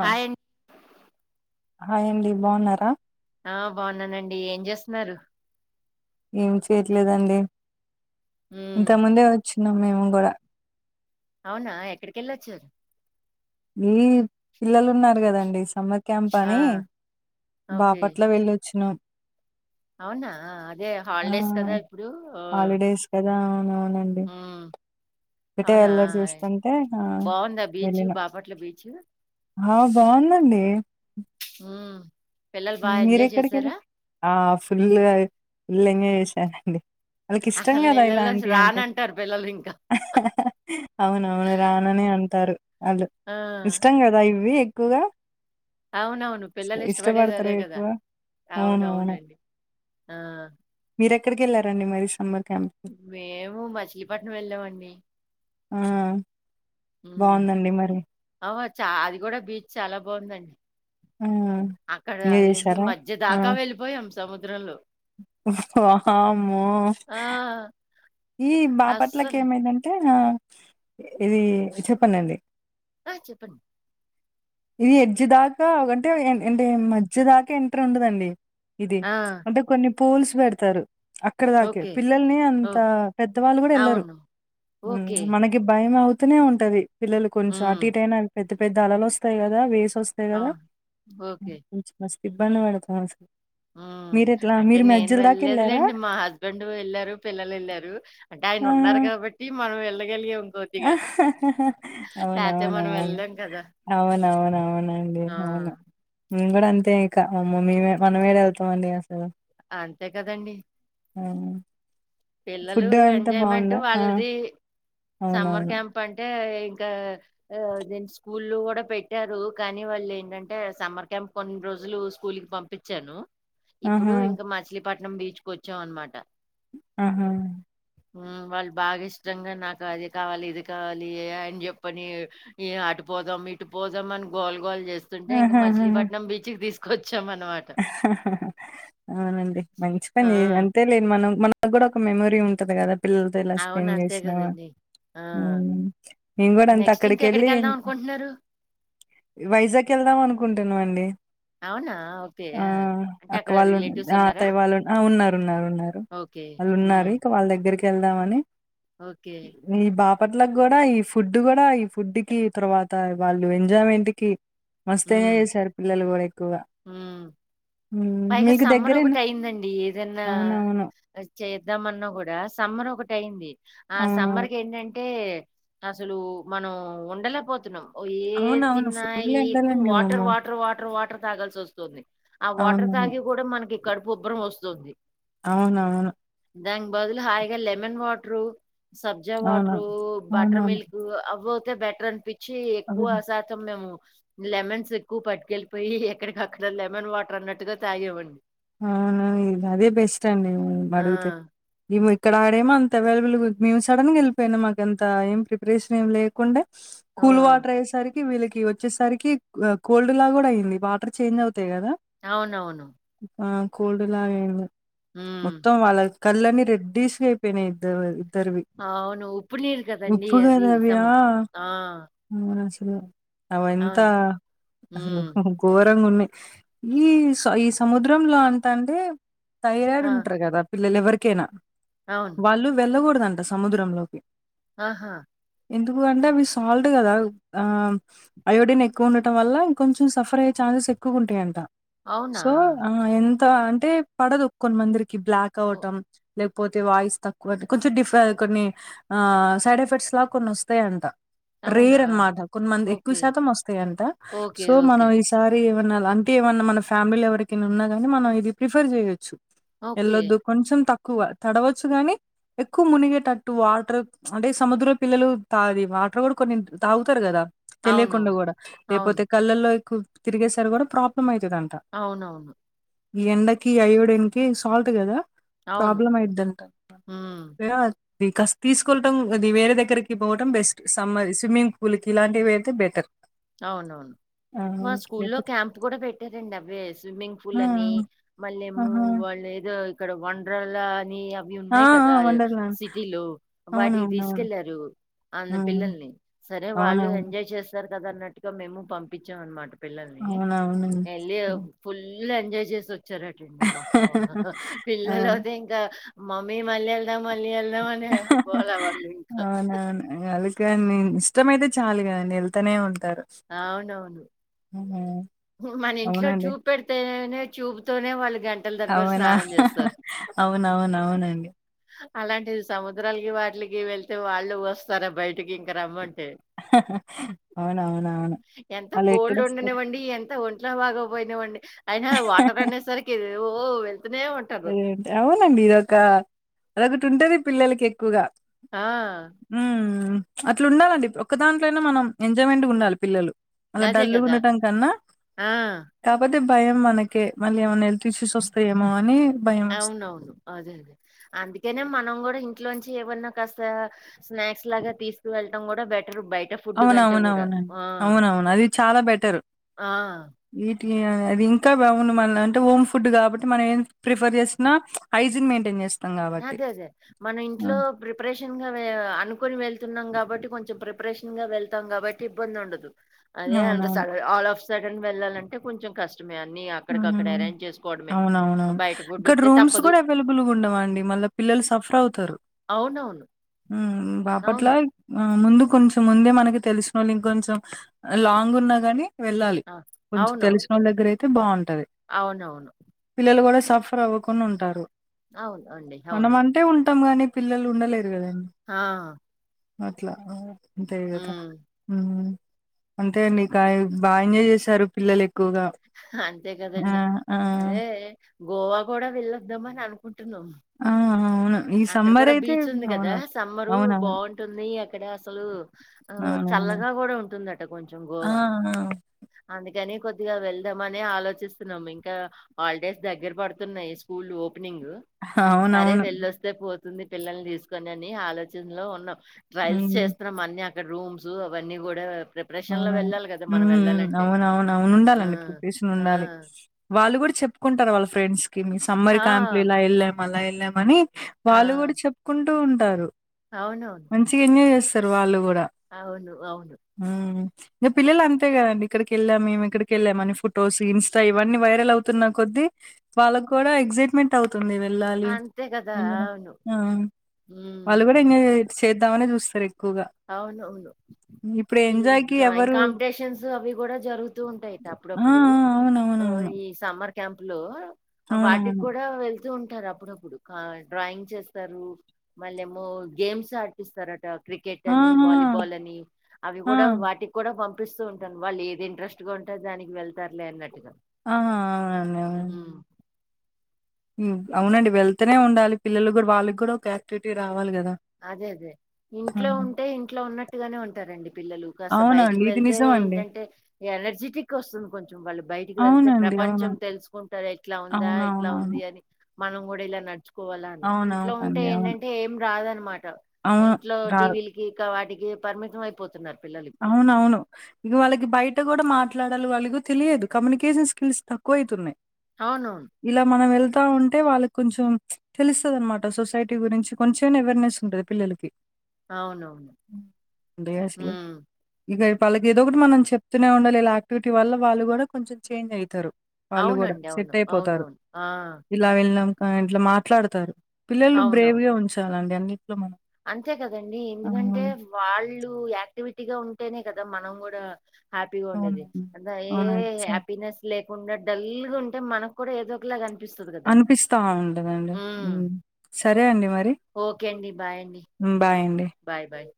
ఆ హాయ్ అం హాయ్ అండి బాగున్నారా ఆ బాగున్నానండి ఏం చేస్తున్నారు ఏం చేయట్లేదండి ఉమ్ ఇంత ముందే వచ్చినం మేము కూడా అవునా ఎక్కడికేళ్ళొచ్చారు ఈ పిల్లలు ఉన్నారు కదండి సమ్మర్ క్యాంప్ ఆ అని బా ఓకే పట్ల వెళ్ళొచ్చినం అవునా అదే ఆ హాలిడేస్ కదా ఇప్పుడు ఆ హాలిడేస్ కదా అవునవునండి ఉమ్ అటే అవునా వెళ్ళేసి చూసుకుంటే ఆ వెళ్ళినా ఇట్లా బీచ్ ఆ బాగుందండి ఆ మీరు ఎక్కడికేల్ ఆ ఫుల్ ఫుల్ ఎంజాయ్ చేసానండి వాళ్ళకి ఇష్టం అసలు కదా నీళ్ళల్లోంచి ఇలాంటివి అంటే రానంటారు పిల్లలు ఇంకా అవునవును రాననే అంటారు అద్ ఆ ఇష్టం కదా ఇవి ఎక్కువగా అవునవును పిల్లలు ఇష్ట పడేది ఇష్టపడతారు అదే కదా ఎక్కువ అవునవును. అవునవునండి ఆ మీరు ఎక్కడికేళ్లారండి మరి సమ్మర్ క్యాంప్‌కి? మేము మచిలీపట్నం వెళ్ళామండి ఆ బాగుందండి మరి చ అది కూడా బీచ్ చాలా బాగుందండి ఆ! అక్కడ ఎంజాయ్ ఏంటి జేశారా? మధ్య ఆ! దాకా వెళ్ళిపోయాం సముద్రంలో వామ్మో ఆ! ఈ బాపట్లలకు అస్సలు ఏమైందంటే ఇది చెప్పనండి ఆ చెప్పండి ఇది ఎడ్్జి దాకా అంటే ఏడ్జ్ దాకా ఎంటర్ ఉండదండి ఇది ఆ! అంటే కొన్ని పోల్స్ పెడుతారు అక్కడ దాకే ఓకే. పిల్లల్ని అంత ఓహ్! పెద్దవాళ్ళు కూడా వెళ్ళరు అవును. మ్ ఓకే. మనకి భయం అవ్ తునే ఉంటది పిల్లలు కొంచం అటు హ్మ్. ఇటైనా పెద్ద పెద్ద అలలు వస్తాయి కదా వేస్ కోస్తాయి ఆ! కదా ఓకే. కొంచ మస్ ఇబ్బంది పడుతాం అసలు అ మీరు ఎట్లా అంటే మీరు నేను మధ్యల దాకా వెళ్ళారా వెళ్లేదులేండి మా హస్బెండ్ వెళ్ళారు పిల్లలు వెళ్ళారు అంటే ఆయన ఉన్నారు కాబట్టి మనం వెళ్ అవును లేతే అవును మనం అవును వెళ్ళలేం కదా! అవునవున అవునండి ఆ! అవును మేం కూడా అంతే ఇంకా మమ్మ మే మనమేఏడ వెళ్తామండి అసలు అంతే కదండి ఆ పిల్లలు ఫుడ్ అంతా ఎంజాయ్మెంట్ బాగుందా ఆ వాళ్ళది సమ్మర్ అవునవును క్యాంప్ అంటే ఇంకా దేని స్కూల్ కూడా పెట్టారు కానీ వాళ్ళు ఏంటంటే సమ్మర్ క్యాంప్ కొన్ని రోజులు స్కూల్ కి పంపించాను ఆహా ఇప్పుడు ఇంకా మచిలీపట్నం బీచ్ కు వచ్చాం అనమాట ఆహా వాళ్ళు బాగా ఇష్టంగా నాకు అది కావాలి ఇది కావాలి అయన చెప్పని ఈ ఆ పోదాం ఇటు పోదాం అని గోల్ గోలు చేస్తుంటే ఇంకా ఆహాహాహా మచిలీపట్నం బీచ్కీ తీసుకు అవునండి మంచి ఆ పని అంతే లేదు మనం మన నా కూడా ఒక మెమోరీ ఉంటది కదా పిల్లలతో ఇలా అవును స్పెండ్ అంతే చేసినా కదండి ఆ ఉ మేమ్ కూడా అంతే నెక్స్ట్ అక్కడికి వెళ్ళి ఇంకెక్కడికి వెళ్దాం అనుకుంటున్నారు వైజాగ్ వెళ్దాం అనుకుంటున్నాము అండి అవునా ఓకే ఆ అంటే అక్క అక్కడ వాళ్ళు రిలేటివ్స్ ఉన్నారా అత్తయ్య వాళ్ళు ఉన్నారు ఉన్నారు ఉన్నారు ఓకే. వాళ్ళు హ్మ్. ఉన్నారు ఇక వాళ్ళ దగ్గర దగ్గరికి వెళ్దామని ఓకే. మీ బాప ప్పట్లో కూడా ఈ ఫుడ్ కూడా ఈ ఫుడ్ కి తర్వాత వాళ్ళు ఎంజాయ్మెంట్ కి మస్తాన్ హ్మ్. ఎంజాయ్ చేసారు పిల్లలు కూడ ఎక్కువగా హ్మ్. హ్మ్. పైగా మీకు సమ్మర్ దగ్గరేనా ఒకటి అయిందండి ఏదన్నా అవునవును చేద్దామన్నా కూడా సంమ్మరం ఒకటియింది ఆ సమ్మర్ అవునవును క ఏంటంటే అసలు మనం ఉండలేకపోతున్నాం ఏ అవునవును తిన్నా ఫుల్ ఏ ఎక్కువ ఎండలండి వాటర్ వామ్మో వాటర్ వాటర్ వాటర్ తాగాల్సి వస్తుంది ఆ వాటర్ అవునవును తాగి కూడా మనకి కడుపు ఉబ్బరం వస్తుంది అవున అవును దానికి బదులు హాయిగా లెమన్ వాటరు సబ్జా అవును వాటరు బటర్ అవునవును మిల్క్ అవతే బెటర్ అనిపి చ్చి ఎక్కువ అవును శాతం మేము లెమన్స్ ఎక్కువ పటుకెళ్ళిపోయి అక్కడికి అక్కడ లెమన్ వాటర్ అన్నట్టుగా తాగవండి ఆ అవునా ఇ అదే బెస్ట్ అండి ఆ అడిగితే ఇక్కడ ఆడేమో అంత అవైలబుల్ మేము సడన్గా వెళ్ళిపోయినా మాకు అంత ఏం ప్రిపరేషన్ ఏం లేకుండా ఆ కూల్ వాటర్ ఏ సరి వీళ్ళకి వచ్చేసరికి కోల్డ్ లా కూడా అయింది వాటర్ చేంజ్ అవుతాయి కదా అవునవును ఇ కోల్డ్లాయినం ఏ ఉమ్, మొత్తం వాళ్ళ కళ్ళని రెడ్డీస్గా అయిపోయినాయి ఇద్ద ఇద్దరివి అవును ఉప్పు నీరు కదండి ఉప్పు అది కదావ్యా సముద్రం ఆ అవంత అవును అసలు ఉమ్, ఘోరంగా ఉన్నాయి ఈ స్ ఈ సముద్రంలో అంత అంటే థైరాయిడ్ ఆ, ఉంటారు కదా పిల్లలు ఎవరికైనా అవును వాళ్ళు వెళ్ళకూడదంట సముద్రంలోకి ఆహా ఎందుకు అంటే అవి సాల్ట్ కదా ఆ అయోడిన్ ఎక్కువ ఉండటం వల్లం కొంచెం సఫర్ అయ్యే చ స్ ఎక్కుంటాయంట అవునా సో ఆ ఎంత అంటే పడదు కొన్ని మందిరికి బ్లాక్ ఓ- అవటం లేకపోతే వాయిస్ తక్కువ అంటే కొంచెం డిఫ కొన్ని ఆ సైడ్ ఎఫెక్ట్స్ లా కొన్ని వస్తాయంట అవునా రేర్ అనమాట కొంతమంది ఎక్కువ ఓకే శాతం వస్తాయంట ఓకే సో మనం ఓకే ఈసారి ఏమైనా అంటే ఏమన్నా మన ఫ్యామిలీ ఎవరికైనా ఉన్నా గానీ మనం ఇది ప్రిఫర్ చేయొచ్చు ఓకే వెల్ళొద్దు కొంచెం తక్కువ తడవచ్చు గాని ఎక్కువ మునిగేటట్టు వాటర్ అంటే సముద్ర పిల్లలు తాది వాటర్ కూడా కొన్ని తాగుతారు కదా తెలియకుండా అవునవును కూడా లేపోతే అవును కళ్ళల్లో ఎక్కువ తిరిగేసరి కూడా ప్రాబ్లమ్ అయితు అవునవును ఈ ఎండకి అయోడిన్ కి సాల్ట్ కదా అవును ప్రాబ్లమ్ అయిద్ది అంట హ్మ్. ఇది కాస్ తీసుకుంటం అది వేరే దగ్గరకి పోవటం బెస్ట్ సమ్మ స్విమ్మింగ్ పూల్ కి ఇలాంటివి అయితే బెటర్ అవునవును ఆ! మా స్కూల్లో లేపోతే క్యాంప్ కూడా పెట్టారంండి అవే స్విమ్మింగ్ ఆ! పూల్ అని మళ్ళీమో ఆహా! వాళ్ళు ఏదో ఇక్కడ వనరాల అని అవి ఆ! ఉన్నాయి ఆ! కదా వండర్‌లాండ్. సిటీలో వాటికి అవునవునవును. తీసుకెళ్లారు అన్న హ్మ్. పిల్లల్ని సరే వాళ్ళు అవునవును. ఎంజాయ్ చేస్తారు కదా అన్నట్టుగా మేము పంపించాం అనమాట పిల్లల్ని అవునవునండి. ఎ హ్మ్. ఫుల్ ఫుల్ ఎంజాయ్ చేసి వచ్చారట అమ్మా పిల్లల అవును. అయితే ఇంకా మమ్మీ మళ్ళీ వెళ్దాం మళ్ళీ వెళ్దాం అని వెళకోవాలి వాళ్ళు ఇంకా ఇష్టమ అయితే చాలు కదండి వెళ్తనే ఉంటారు అవునవును. మన ఇంట్లో అవునండి ట్యూబ్ పెడితేనే ట్యూబ్ తోనే వాళ్ళకి గంటల తరబడి అవునా స్నానం చేస్తారు అవునవునవునండి అలాంటిది సముద్రాలకి వాటిలికి వెళ్తే వాళ్ళు వస్తారా బయటకి ఇంక రమ్మంట అవునా అవునా ఎంత కోల్డ్ ఉండనివండి ఎంత ఒంట్లో బాగ పోయినావండి అయినా వాటర్ అనేసరికి ఓ వెల్ అదే అవునండి ఇదొక అదొకటి ఉంటది పిల్లలకి ఎక్కువగా ఆ అట్ల ఉండాలండి ఒక దాంట్లో అయి మనం ఎంజాయ్మెంట్గా ఉండాలి పిల్లలు అలా అదే డల్లుగ కదా! ఉండటం కన్నా ఆ! కాబతే అ భయం మనకి మళ్ళీ ఏమన్నా ఎల్త్ ఇష్యూస్ వస్తాయేమో అని భయం వస్తుంది అవునవును అదే అదే అందుకేనే మనం కూడా ఇంట్లోంచి ఏమన్నా కాస్త స్నాక్స్ లాగా తీసుకు వెళ్ళడం కూడా అవునవునవునండి అవునవును అది చాలా బెటరు ఆ! అది ఇంకా బాగుంది మన అంటే హోమ్ ఫుడ్ కాబట్టి మనం ఏం ప్రిఫర్ చేసిన హైజిన్ మెయిన్టైన్ చేస్తాం కాబట్టి అదే అదే మనం ఆ! ఇంట్లో ప్రిపరేషన్ గా అనుకుని వెళ్ న్నాం కాబట్టి కొంచెం ప్రిపరేషన్ గా వెళ్తాం కాబట్టి ఇబ్బంది ఉండదు అదే అవునవును. అంతడల్ఫ్ సడన్ వెళ్లాలంటే కొంచెం కష్ ఊ అవునవునవును బయట ఫుడ్ ఇక్కడ వస్తే రూమ్స్ తప్పదు కూడా అవైలబుల్గ ఉండవు అండి మళ్ల పిల్లలు సఫర్ అవుతారు అవునవును బాపట్ల అవును ముందు కొంచెం ముందే మనకి తెలిసిన వాళ్ళు ఇంకొంచెం లాంగ్ ఉన్నా కాని వెళ్ళాలి ఆ! కొంచెం అవునవును తెలిసిన వాళ్ళ దగ్గర అయితే బాగుంటది అవునవును పిల్లలు కూడా సఫర్ అవ్వకున్న ఉంటారు అవును అండి మనం అవునవును అంటే ఉంటాం గాని పిల్లలు ఉండలేదు ఆ అట్లా అంతే గదా హ్మ్. అంతే అండికా బాగ ఎంజాయ్ చేశారు పిల్లలు ఎక్కువగా అంతే ఆ కదండి ఆ అదే గోవా కూడా వెళ్ళొద్దాం అని అనుకుంటు న్నా ఆ అవును ఈ అక్కడ సమ్మర్ కూడా అయితే బీచ్ ఉంది కదా అవును సమ్మరు అవునవును బాగుంటుంది అక్కడ అసలు ఆ అవునవును చల్లగా కూడా ఉంటుందట కొంచెం ఆ గోవా అందుక్ కాని కొద్దిగా వెళ్దాంమనే ఆలోచిస్తున్నాం ఇంకా హాలిడేస్ దగ్గర పడుతున్నాయ్ స్కూల్ పెనింగ్ ఆ సరే అవునవును వెళ్ళోస్తే పోతుంది పిల్లల్ని తీసుకొని అని ఆలోచనలో ఉన్నాం ట్వెల్స్ హ్మ్ చేస్తున్నాం అన్ని అక్కడ రూమ్స్ అవన్నీ కూడా ప్రిపరేషన్ లో అవున వెళ్ళాలి కదా మనం మ్ వెళ్ళాలంటే అవునవునువును ఆ ఉండాలండి ప్రిపరేషన్ ఆ ఉండాలి వాళ్ళు కూడా చ్ చెప్పుకుంటారు వాళ్ళ ఫ్రెండ్స్ మీ సమ్మర్ ఆ క్యాంప్ లో ఇలా వెళ్ళాము అలా వెళ్ళామని ఆ వాళ్ళు కూడా చెప్పుకుంటూ ఉంటారు అవునవును మంచిగా ఎంజయ్ చేస్తారు వాళ్ళు కూ అవును అవును మ్ ఇంకా పిల్లలు అంతే కదండి ఇక్కడికేళ్ళం మేము ఇక్కడికేళ్ళామని ఫొటోస్ ఇన్స్ట ఇవన్నీ వైరల్ అవుతున్ తిన్న కొద్ధి వాళ్ళకు కూడా ఎక్సైట్మెంట్ అవ్ తింది వెళ్ళాలి అంతే కదా అవును అ వాళ్ళు కూడా ఉమ్ ఎంజాయ్ చేద్దామనే చూస్ అవునవును ఇప్పుడు ఈ ఎంజాయ్‌కి డ్రాయింగ్ ఎవరు కాంపిటీషన్స్ అవి కూడా జరుగుతూ ఉంటాయి ఆ! ఆ! అప్పుడప్పుడు ఆ అవునవునవును. ఈ సమ్మర్ క్యాంప్ లో వాటికి అవునవును. కూడా వెళ్తూ ఉం ంటారు అప్పుడప్పుడు డ్రాయింగ్ చేస్తారు మళ్ళి ఏమో గేమ్స్ ఆడిపిస్తరట క్రిక్ ఆ! అని వాలీబాల్ అని అవి ఆ! ఆ! కూడా వాటికి కూడా పం కపిస్తూ ఉంటాను వాళ్ళు ఏది ఇంట్రెస్ట్గా ఉంటే దానికి వెళ్తారులే అన్నట్ ఆ అవునండి అవునండి మ్ అవునండి వెళ్తనే ఉండాలి పిల్లలు కూడా వాళ్ళ కూడా ఒక యాక్టివిటీ రా అదే అదే ఇంట్లో ఉంటే ఇంట్లో ఉన్నట్టుగానే ఉంటారండి పిల్లలు కాస్త అవునండి. బయటకి ఇది వెళ్తే నిజమండి. ఏంటంటే ఎనర్జెటిక్ వస్తది కొంచెం వాళ్ళు బయటకి వెళ్తే ప్ర అవునండి. అవును. పపంచం తెలుసుకుంటరు ఇట్లా ఉందా ఇట్లా అవునవునవును. ఉంది అని మనం కూడా ఇలా నడుచుకోవాలా అని ఇంట్లో ఉంటే అవునవునండి. అవును. ఏంటంటే ఏం రాదన్ అవును ఇంట్లో రాదు. టీవీలకి ఇకా వాటికి పరిమితం అయిపోతున్నారు పిల్లలు ఇప్పుడు అవునవును ఇగ వాళ్ళకి బయట కూడా మాట్లాడ్ వాళ్లకు తెలియదు కమ్యనికన్ స్కిల్స్ తక్కువై తున్నాయి అవునవును ఇల మనం వెల్ స్తా ఉంటే వాళ్ళకి కొంచెం తెలుస్తది అనమాట సొసైటీ గురించి కొంచెం అయినా అవేర్నెస్ ఉంటది పిల్లలకి అవునవును డి అసలు ఉమ్ ఇగవాళ్ళకి ఏదో ఒకటి మనం చెప్తనే ఉండాలీ యాక్టివిటీ వల్ల వాళ్ళు కూడా కొంచెం చేంజ్ అవుతారు వాళ్ళు కూడా అవునండి సెట్ అవును అయిపోతారు అవునవును ఆ ఇలా వెళ్ళినం కని ఇట్ల మాట్లాడుతారు పిల్లలు అవునవును బ్రేవ్ గా ఉంచాలండి అన్ని అంతే కదండి ఎందుకంటే వాళ్ళు యాక్టివి గా ఉంటేనే కదా మనం కూడా హ్యాపీగా ఉండేది అవునండి. అ ఏ అవునండి. సరే. హ్యాపీనెస్ లే కాకుండా డల్ గా ఉంటే మనకు కూడా ఏదో ఒకలాగా అని అనిపిస్తా ఉంటదండి సరే అండి మరి ఓకే అండి. బాయ్ అండి హ్మ్. బాయ్ అండి. Bye bye